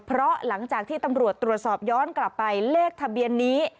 เพราะหลังจากที่ตำรวจตรวจสอบย้อนกลับไปเลขทะเบียนนี้